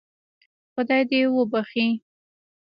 خدای دې وبخشي.